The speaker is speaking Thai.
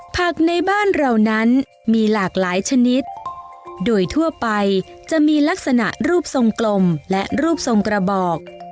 ในบ้านเรานั้นมีหลากหลายชนิดโดยทั่วไปจะมีลักษณะรูปทรงกลมและรูปทรงกระบอก